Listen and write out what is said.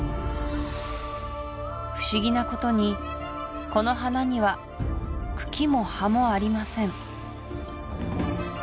不思議なことにこの花には茎も葉もありません